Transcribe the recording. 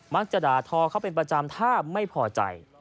มีควบคุมด่าทอเธอเป็นประจำท่าไม่พอใจ